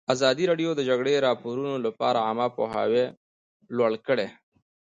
ازادي راډیو د د جګړې راپورونه لپاره عامه پوهاوي لوړ کړی.